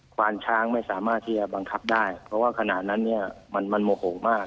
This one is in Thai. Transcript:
ควานช้างไม่สามารถที่จะบังคับได้เพราะว่าขณะนั้นเนี่ยมันโมโหมาก